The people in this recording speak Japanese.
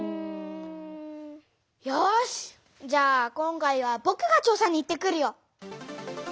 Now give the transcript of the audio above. よしじゃあ今回はぼくが調さに行ってくるよ！